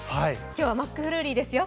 今日はマックフルーリーですよ。